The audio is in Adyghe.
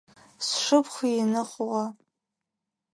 Сшыпхъу ины хъугъэ.